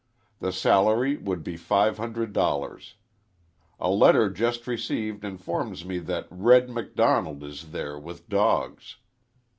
The salary would be five hundred dollars. A letter just received informs me that 'Red' Macdonald is there with dogs.